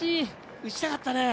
打ちたかったね。